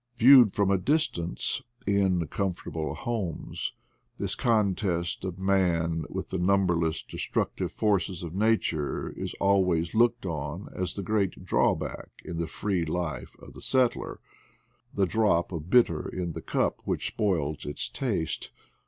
Viewed from a distance, in comfortable homes, this contest of man with the numberless destruc tive forces of nature is always looked on as the great drawback in the free life of the settler — the drop of bitter in the cup which spoils its taste.